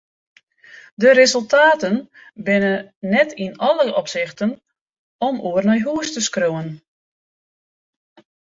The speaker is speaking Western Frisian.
De resultaten binne net yn alle opsichten om oer nei hús te skriuwen.